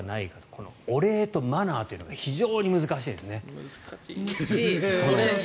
このお礼とマナーというのが非常に難しいんですね。